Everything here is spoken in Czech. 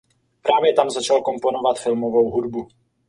Právě tam začal komponovat filmovou hudbu.